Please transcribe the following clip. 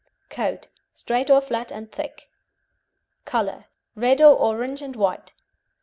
COAT Straight or flat, and thick. COLOUR Red or orange and white.